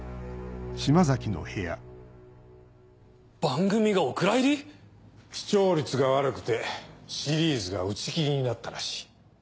番組がお蔵入り⁉視聴率が悪くてシリーズが打ち切りになったらしい。